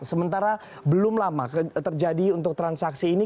sementara belum lama terjadi untuk transaksi ini